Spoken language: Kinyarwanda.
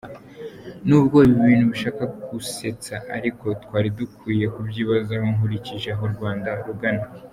Nubwo ibi bintu bishaka gusetsa, ariko twari dukwiye kubyibazaho nkurikije aho Rwanda rugana